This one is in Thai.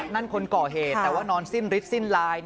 นั่นคนก่อเหตุแต่ว่านอนสิ้นฤทธิสิ้นลาย